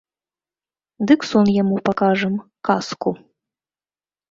Дык сон яму пакажам, казку.